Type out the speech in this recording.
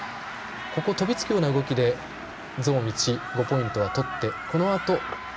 飛びつくような形でゾーン１５ポイントは取って。